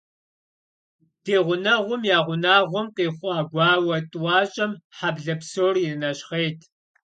Ди гъунэгъум я унагъуэм къихъуа гуауэ тӏуащӏэм хьэблэ псор иринэщхъейт.